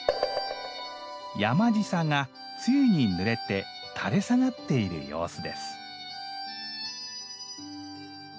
「山ぢさ」が露にぬれて垂れ下がっている様子です。